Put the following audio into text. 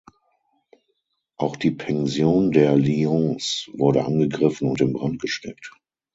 Auch die Pension der Lyons wurde angegriffen und in Brand gesteckt.